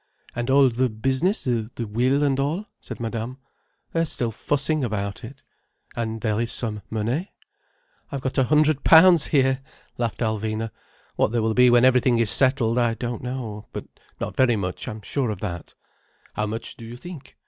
"And all the business, the will and all?" said Madame. "They're still fussing about it." "And there is some money?" "I have got a hundred pounds here," laughed Alvina. "What there will be when everything is settled, I don't know. But not very much, I'm sure of that." "How much do you think?